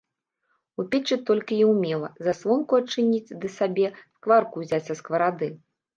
У печы толькі і ўмела засланку адчыніць ды сабе скварку ўзяць з скаварады.